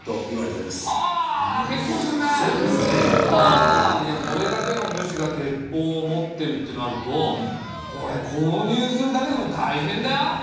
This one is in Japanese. あいやこれだけの武士が鉄砲を持ってるってなるとこれ購入するだけでもたいへんだよ！？